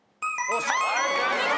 お見事！